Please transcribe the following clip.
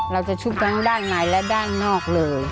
ชุบทั้งด้านในและด้านนอกเลย